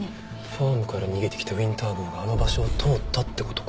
ファームから逃げてきたウィンター号があの場所を通ったって事か。